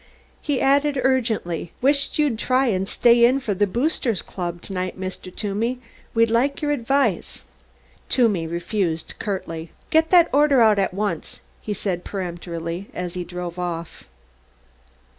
He added urgently, "Wisht you'd try and stay in for the Boosters Club to night, Mr. Toomey. We'd like your advice." Toomey refused curtly. "Get that order out at once," he said peremptorily, as he drove off.